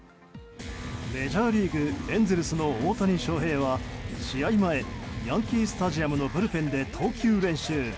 メジャーリーグエンゼルスの大谷翔平は試合前、ヤンキー・スタジアムのブルペンで投球練習。